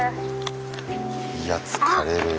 いや疲れるよ。